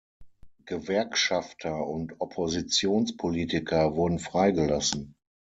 Gewerkschafter und Oppositionspolitiker wurden freigelassen.